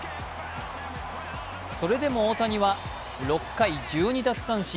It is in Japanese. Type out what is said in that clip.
それでも大谷は６回１２奪三振